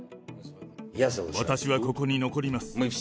私はここに残ります。